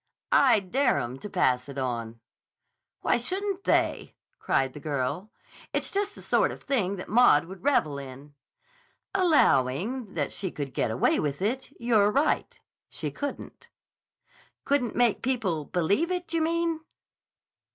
I dare 'em to pass it on!" "Why shouldn't they?" cried the girl. "It's just the sort of thing that Maud would revel in." "Allowing that she could get away with it, you're right. She couldn't." "Couldn't make people believe it, you mean?"